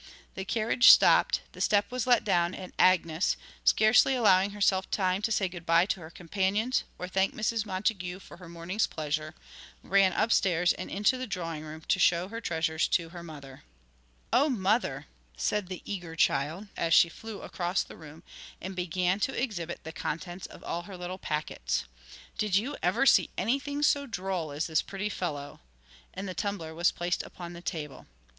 The carriage stopped, the step was let down, and Agnes, scarcely allowing herself time to say good bye to her companions or thank Mrs. Montague for her morning's pleasure, ran upstairs and into the drawing room to show her treasures to her mother. [Illustration: Agnes felt ashamed, and hastened on, for her purse was empty.] 'Oh, mother!' said the eager child, as she flew across the room, and began to exhibit the contents of all her little packets, 'did you ever see anything so droll as this pretty fellow?' And the tumbler was placed upon the table.